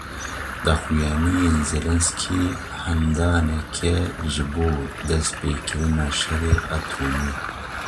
Daxuyaniyên Zelensky handanek e ji bo destpêkirina şerê etomî.